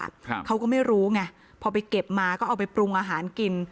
เขาก็ไม่รู้ไงพอไปเก็บมาก็เอาไปปรุงอาหารกิน